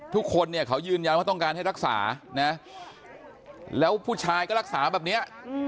ทุกคนเนี่ยเขายืนยันว่าต้องการให้รักษานะแล้วผู้ชายก็รักษาแบบนี้